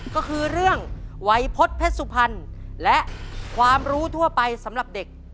ก็คือเรื่องวัยพฤษเพชรสุพรรณและความรู้ทั่วไปสำหรับเด็ก